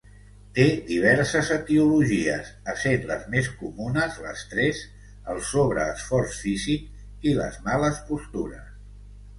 Té diverses etiologies, essent les més comunes l'estrès, el sobreesforç físic i les males postures.